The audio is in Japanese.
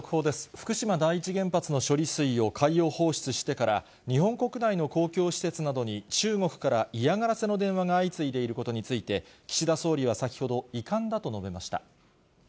福島第一原発の処理水を海洋放出してから、日本国内の公共施設などに中国から嫌がらせの電話が相次いでいることについて、岸田総理は先ほど、遺憾だと述べました。